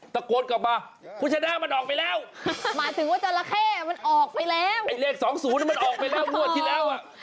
ตะโกนกลับมาคุณชนะมันออกไปแล้ว